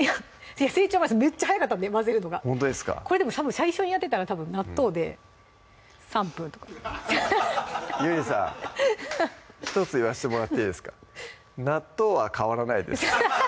成長もめっちゃ早かったんで混ぜるのがほんとですかこれ最初にやってたらたぶん納豆で３分とかゆりさん１つ言わせてもらっていいですか納豆は変わらないです